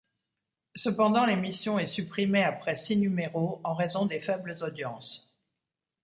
Cependant, l'émission est supprimée après six numéros en raison des faibles audiences.